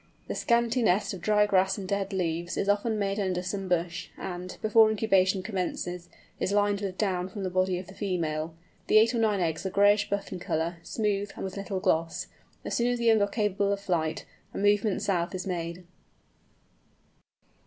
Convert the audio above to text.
The scanty nest of dry grass and dead leaves is often made under some bush, and, before incubation commences, is lined with down from the body of the female. The eight or nine eggs are greyish buff in colour, smooth, and with little gloss. As soon as the young are capable of flight, a movement south is made.